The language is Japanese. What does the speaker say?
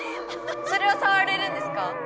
それはさわれるんですか？